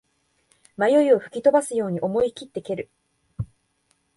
迷いを吹き飛ばすように思いきって蹴る